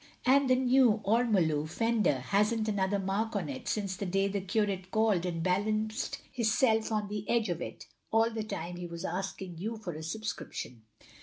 And the new ormolu fender has n*t another mark on it since that day the curate called and balanced hisself on the edge of it, all the time he was asking you for a subscription."